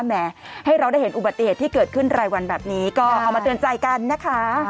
แหมให้เราได้เห็นอุบัติเหตุที่เกิดขึ้นรายวันแบบนี้ก็เอามาเตือนใจกันนะคะ